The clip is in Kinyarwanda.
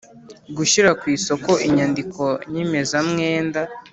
gushyira ku isoko inyandiko nyemezamwenda